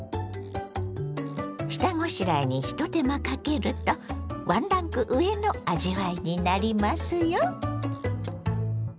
下ごしらえに一手間かけるとワンランク上の味わいになりますよ！